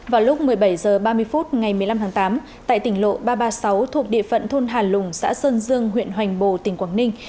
vào lúc một mươi bảy h ba mươi phút ngày một mươi năm tháng tám tại tỉnh lộ ba trăm ba mươi sáu thuộc địa phận thôn hà lùng xã sơn dương huyện hoành bồ tỉnh quảng ninh